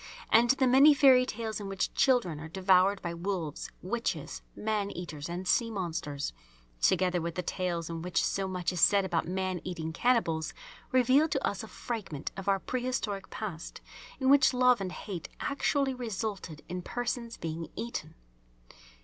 And the many fairy tales in which children are devoured by wolves, witches, man eaters, and sea monsters, together with the tales in which so much is said about man eating cannibals, reveal to us a fragment of our pre historic past in which love and hate actually resulted in persons being eaten.